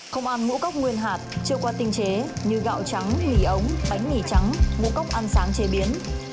không ăn ngũ cốc nguyên hạt chưa qua tinh chế như gạo trắng mì ống bánh mì trắng ngũ cốc ăn sáng chế biến